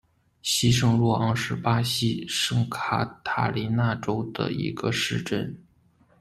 西圣若昂是巴西圣卡塔琳娜州的一个市镇。